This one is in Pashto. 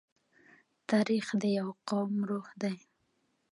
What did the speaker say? تاریخ د یوه قوم روح دی.